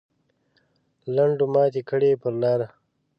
لنډو ماتې کړې پر لارې.